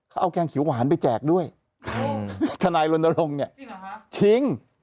เขาเอาแกงเขียวหวานไปแจกด้วยธนายรณรงค์เนี่ยจริงหรอฮะจริง